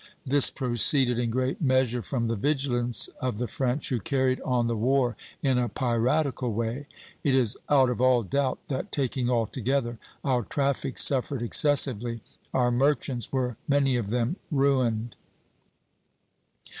This proceeded in great measure from the vigilance of the French, who carried on the war in a piratical way. It is out of all doubt that, taking all together, our traffic suffered excessively; our merchants were many of them ruined."